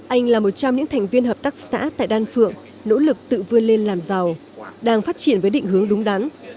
anh là một trong những thành viên hợp tác xã tại đan phượng nỗ lực tự vươn lên làm giàu đang phát triển với định hướng đúng đắn